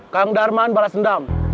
kang darman balasendam